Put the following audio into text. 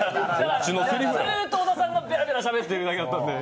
ずっと小田さんがベラベラしゃべってるだけなんで。